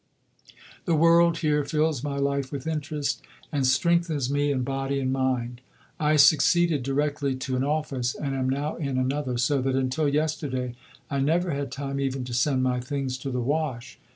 The world here fills my life with interest, and strengthens me in body and mind. I succeeded directly to an office, and am now in another, so that until yesterday I never had time even to send my things to the wash.